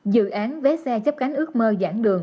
dự án vé xe chấp cánh ước mơ giãn đường